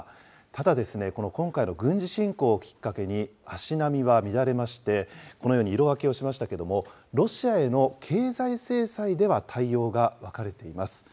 ただですね、この今回の軍事侵攻をきっかけに、足並みは乱れまして、このように色分けをしましたけれども、ロシアへの経済制裁では対応が分かれています。